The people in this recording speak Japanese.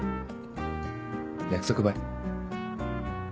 約束ばい